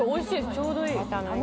ちょうどいい。